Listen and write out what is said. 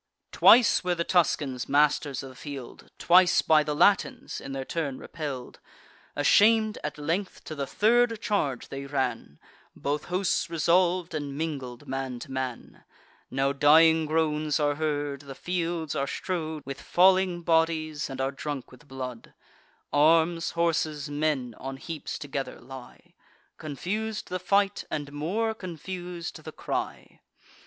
Twice were the Tuscans masters of the field, Twice by the Latins, in their turn, repell'd. Asham'd at length, to the third charge they ran; Both hosts resolv'd, and mingled man to man. Now dying groans are heard; the fields are strow'd With falling bodies, and are drunk with blood. Arms, horses, men, on heaps together lie: Confus'd the fight, and more confus'd the cry.